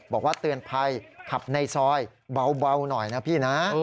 บอกว่าเตือนภัยขับในซอยเบาหน่อยนะพี่นะ